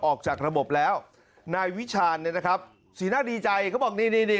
ออกจากระบบแล้วนายวิชาณเนี่ยนะครับสีหน้าดีใจเขาบอกนี่นี่